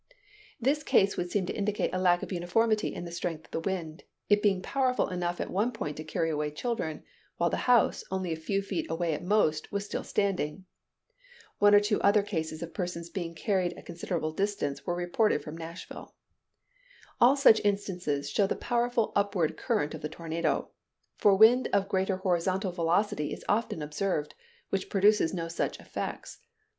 This case would seem to indicate a lack of uniformity in the strength of the wind; it being powerful enough at one point to carry away children, while the house, only a few feet away at most, was still standing. One or two other cases of persons being carried a considerable distance were reported from Nashville. All such instances show the powerful upward current of the tornado; for wind of greater horizontal velocity is often observed, which produces no such effects.